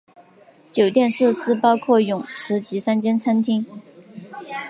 酒店设施包括泳池及三间餐厅。